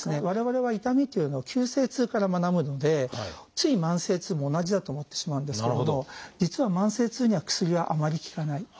我々は痛みっていうのは急性痛から学ぶのでつい慢性痛も同じだと思ってしまうんですけれども実は慢性痛には薬はあまり効かない。